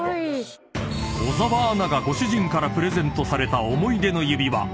［小澤アナがご主人からプレゼントされた思い出の指輪］